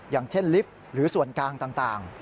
อย่างเช่นลิฟต์หรือส่วนกลางต่าง